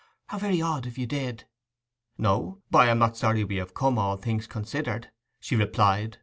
'How very odd, if you did!' 'No. But I am not sorry we have come, all things considered,' she replied.